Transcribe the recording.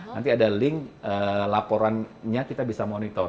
nanti ada link laporannya kita bisa monitor